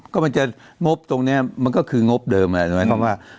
ก็มันจะงบตรงเนี้ยมันก็คืองบเดิมน่ะใช่ไหมความว่า